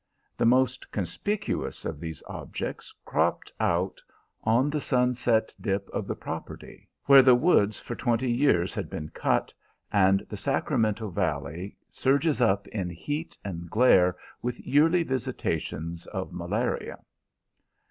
The most conspicuous of these objects cropped out on the sunset dip of the property where the woods for twenty years had been cut, and the Sacramento valley surges up in heat and glare, with yearly visitations of malaria.